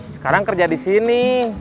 sekarang kerja di sini